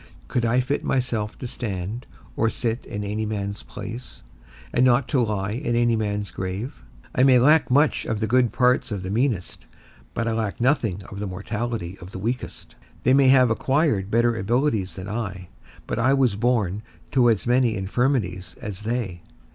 Could I fit myself to stand or sit in any man's place, and not to lie in any man's grave? I may lack much of the good parts of the meanest, but I lack nothing of the mortality of the weakest; they may have acquired better abilities than I, but I was born to as many infirmities as they.